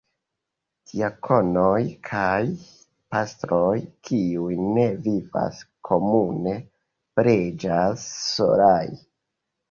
Diakonoj kaj pastroj, kiuj ne vivas komune, preĝas solaj.